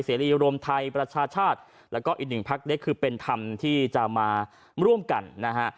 เสรีรวมไทยประชาชาติแล้วก็อีกหนึ่งพักเล็กคือเป็นธรรมที่จะมาร่วมกันนะฮะ